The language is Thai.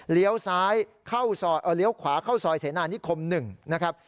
เลี้ยวขวาเข้าซอยเสนานิคม๑นะครับ